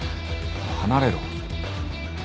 離れろ。